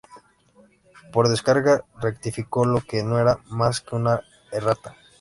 por desgracia, rectificó lo que no era más que una errata